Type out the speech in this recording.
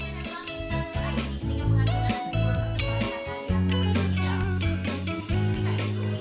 sehingga penggunaan listrik perumah di pegunungan yang rata rata lima ratus hingga tujuh ratus watt